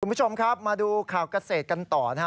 สมัยผู้ชมครับมาดูข่าวกันเศษกันต่อนะฮะ